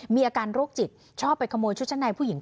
มีอาการโรคจิตชอบไปขโมยชุดชั้นในผู้หญิง